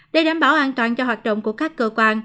để đảm bảo an toàn cho hoạt động của các cơ quan